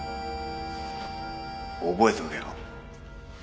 覚えておけよ。